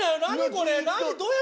これ。